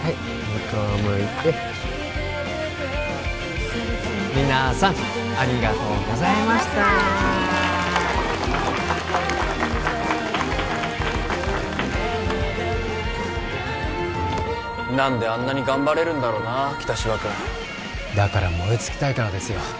向こう向いて皆さんありがとうございました何であんなに頑張れるんだろうな北芝君だから燃え尽きたいからですよ